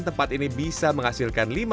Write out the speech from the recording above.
tempat ini bisa menghasilkan